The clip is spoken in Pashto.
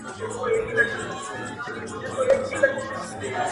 د ورځې ماته د جنت په نيت بمونه ښخ کړي,